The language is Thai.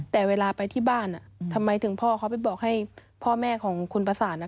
แต่เวลาไปที่บ้านทำไมถึงพ่อเขาไปบอกให้พ่อแม่ของคุณประสาน